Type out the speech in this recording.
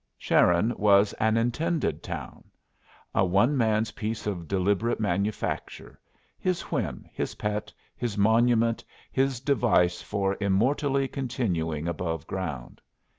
Sharon was an intended town; a one man's piece of deliberate manufacture; his whim, his pet, his monument, his device for immortally continuing above ground.